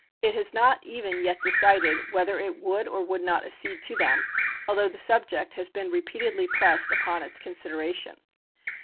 It has not even yet decided whether it would or would not accede to them, although the subject has been repeatedly pressed upon its consideration.